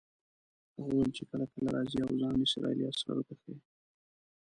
هغه وویل چې کله کله راځي او ځان اسرائیلي عسکرو ته ښیي.